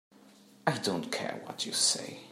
I don't care what you say.